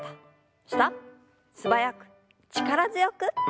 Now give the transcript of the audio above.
素早く力強く。